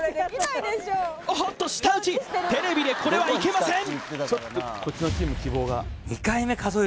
おっと舌打ちテレビでこれはいけません